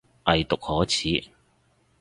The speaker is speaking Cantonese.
偽毒可恥